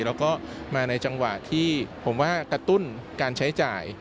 แล้วก็มาในจังหวะที่ผมว่ากระตุ้นการใช้จ่าย